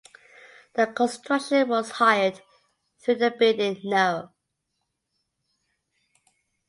The construction was hired through the bidding no.